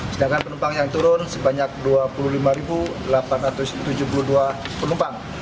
sedangkan penumpang yang turun sebanyak dua puluh lima delapan ratus tujuh puluh dua penumpang